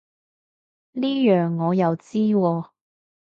呢樣我又知喎